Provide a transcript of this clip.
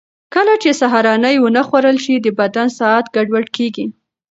کله چې سهارنۍ ونه خورل شي، د بدن ساعت ګډوډ کېږي.